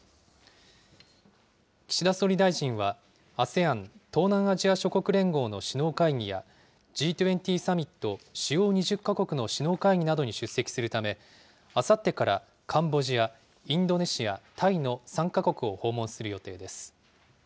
岸田総理大臣は、ＡＳＥＡＮ・東南アジア諸国連合の首脳会議や、Ｇ２０サミット・主要２０か国の首脳会議などに出席するため、あさってからカンボジア、インドネシア、タイの３か国を訪問する予定です。